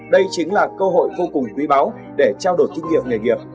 đây chính là cơ hội vô cùng quý báu để trao đổi kinh nghiệm nghề nghiệp